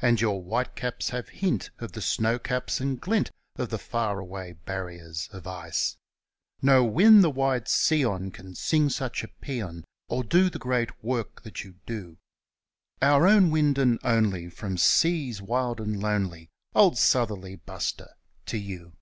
And your white caps hare hint of the snow caps, and glint of The far away barriers of ice. No wind the wide sea on can sing such a psean. Or do the great work that you do; Our Own Wind and Only, from seas wild and lonely Old Southerly Buster! To you!